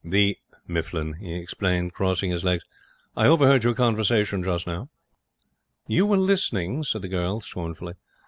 'The Mifflin,' he explained, crossing his legs. 'I overheard your conversation just now.' 'You were listening?' said the girl, scornfully.